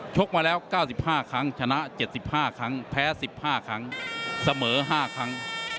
กมาแล้ว๙๕ครั้งชนะ๗๕ครั้งแพ้๑๕ครั้งเสมอ๕ครั้ง